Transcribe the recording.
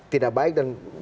tidak baik dan